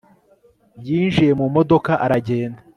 yinjiye mu modoka aragenda